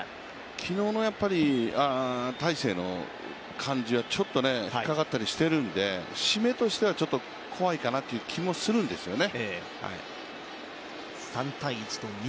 昨日の大勢の感じは、ちょっと引っかかったりしているんで締めとしてはちょっと怖いかなという気もするんですよね。